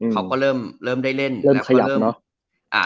เขาก็เริ่มได้เล่นเริ่มขยับเนอะ